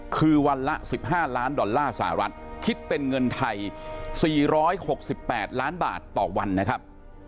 คือวันละ๑๕ล้านดอลลาร์สหรัฐคิดเป็นเงินไทย๔๖๘ล้านบาทต่อวันนะครับ